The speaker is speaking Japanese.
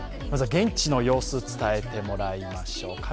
現地の様子伝えてもらいましょう。